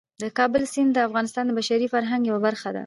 د کابل سیند د افغانستان د بشري فرهنګ یوه برخه ده.